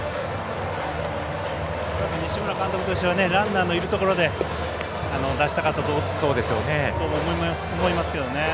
西村監督としてはランナーのいるところで出したかったと思いますけどね。